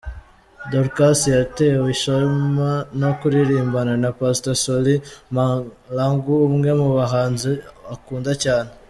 Dorcas yatewe ishema no kuririmbana na Pastor Solly Mahlangu umwe mu bahanzi akunda cyane.